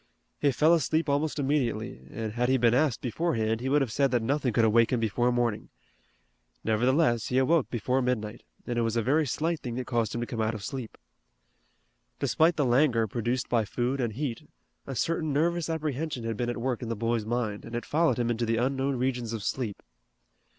He fell asleep almost immediately and had he been asked beforehand he would have said that nothing could awake him before morning. Nevertheless he awoke before midnight, and it was a very slight thing that caused him to come out of sleep. Despite the languor produced by food and heat a certain nervous apprehension had been at work in the boy's mind, and it followed him into the unknown regions of sleep.